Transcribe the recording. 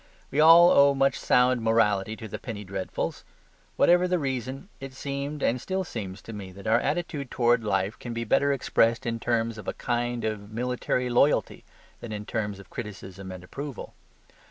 We all owe much sound morality to the penny dreadfuls. Whatever the reason, it seemed and still seems to me that our attitude towards life can be better expressed in terms of a kind of military loyalty than in terms of criticism and approval.